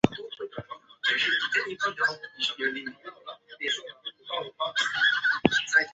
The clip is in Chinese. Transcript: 史达的想法是将当时节奏蓝调的原型利用到在流行音乐中。